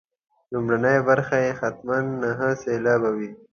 لومړۍ برخه یې حتما نهه سېلابه وي.